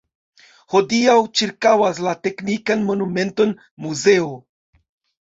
Hodiaŭ ĉirkaŭas la teknikan monumenton muzeo.